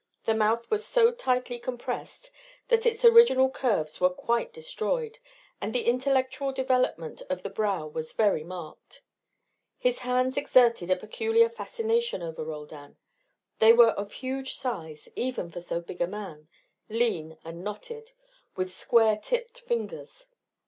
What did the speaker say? The mouth was so tightly compressed that its original curves were quite destroyed, and the intellectual development of the brow was very marked. His hands exerted a peculiar fascination over Roldan. They were of huge size, even for so big a man, lean and knotted, with square tipped fingers.